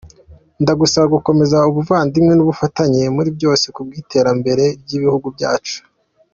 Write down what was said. Ndagusaba gukomeza ubuvandimwe n’ubufatanye muri byose ku bw’iterambere ry’ibihugu byacu.